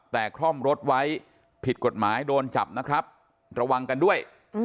แต่คล่อมรถไว้ผิดกฎหมายโดนจับนะครับระวังกันด้วย